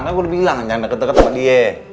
nanti gue udah bilang jangan deket dua sama dia